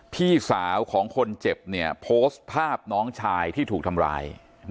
พี่สาวของคนเจ็บเนี่ยโพสต์ภาพน้องชายที่ถูกทำร้าย